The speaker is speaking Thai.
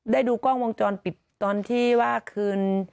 ได้ดูกล้องวงจรปิดตอนที่ว่าคืน